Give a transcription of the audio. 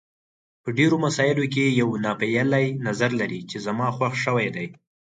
په ډېرو مسایلو کې یو ناپېیلی نظر لري چې زما خوښ شوی دی.